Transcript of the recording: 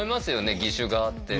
義手があって。